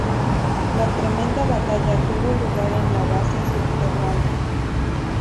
La tremenda batalla tuvo lugar en la base subterránea.